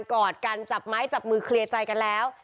กอดกันจับไม้จับมือเคลียร์ใจกันแล้ว